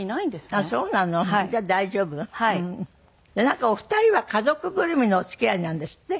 なんかお二人は家族ぐるみのお付き合いなんですって？